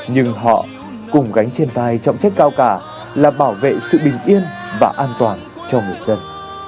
nhưng họ cùng gánh trên vai trọng trách cao cả là bảo vệ sự bình yên và an toàn cho người dân